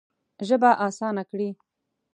ژبه اسانه کړې.